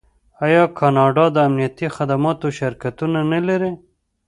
آیا کاناډا د امنیتي خدماتو شرکتونه نلري؟